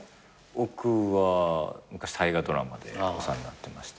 僕は昔大河ドラマでお世話になってまして。